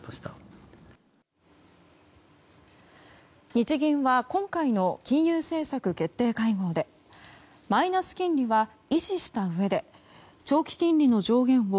日銀は今回の金融政策決定会合でマイナス金利は維持したうえで長期金利の上限を